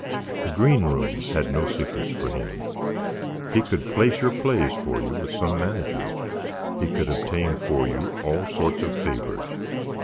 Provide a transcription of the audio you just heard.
The greenroom had no secrets for him; he could place your plays for you with some manager; he could obtain for you all sorts of favors.